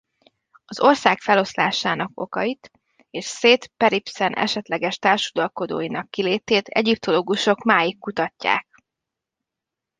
Az ország felosztásának okait és Széth-Peribszen esetleges társuralkodóinak kilétét egyiptológusok máig kutatják.